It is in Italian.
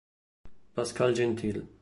Pascal Gentil